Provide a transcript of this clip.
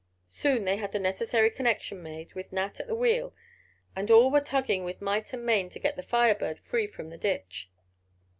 Soon they had the necessary connection made, with Nat at the wheel, and all were tugging with might and main to get the Fire Bird free from the ditch.